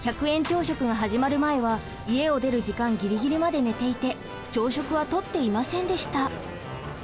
朝食が始まる前は家を出る時間ギリギリまで寝ていて朝食はとっていませんでした。